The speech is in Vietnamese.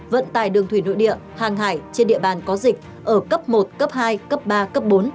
vận tải đường thủy nội địa hàng hải trên địa bàn có dịch ở cấp một cấp hai cấp ba cấp bốn